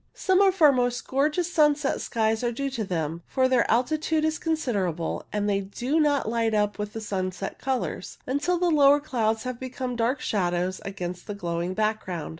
Some of our most gorgeous sunset skies are due to them ; for their altitude is considerable, and they do not light up with the sunset colours until the lower clouds have become dark shadows against the glowing background.